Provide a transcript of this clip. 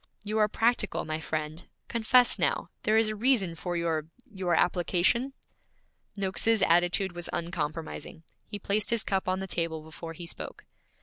'You are practical, my friend. Confess now, there is a reason for your your application?' Noakes's attitude was uncompromising. He placed his cup on the table before he spoke.